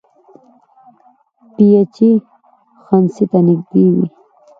پی ایچ یې خنثی ته نږدې وي.